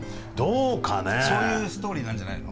そういうストーリーなんじゃないの？